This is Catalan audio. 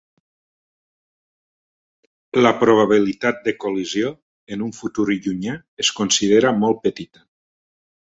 La probabilitat de col·lisió en un futur llunyà es considera molt petita.